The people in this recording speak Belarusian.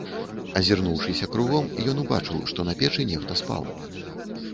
Азірнуўшыся кругом, ён убачыў, што на печы нехта спаў.